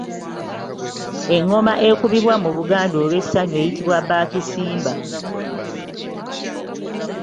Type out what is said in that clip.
Engoma ekubibwa mu Buganda olw’essanyu eyitibwa Baakisimba.